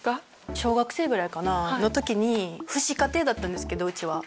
小学生ぐらいかな？の時に父子家庭だったんですけどうちは。